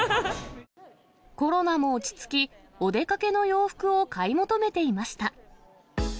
コロナも落ち着き、お出かけの洋服を買い求めていました。